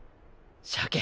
しゃけ。